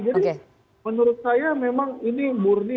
jadi menurut saya memang ini murni